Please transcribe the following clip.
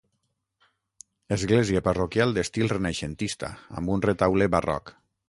Església parroquial d'estil renaixentista, amb un retaule barroc.